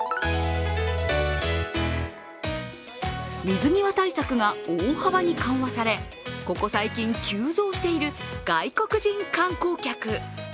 水際対策が大幅に緩和されここ最近、急増している外国人観光客。